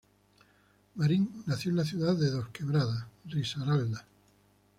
Marín nació en la ciudad de Dos Quebradas, Risaralda.